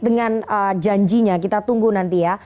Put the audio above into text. dengan janjinya kita tunggu nanti ya